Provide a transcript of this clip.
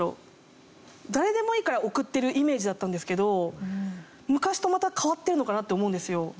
誰でもいいから送ってるイメージだったんですけど昔とまた変わってるのかなって思うんですよ。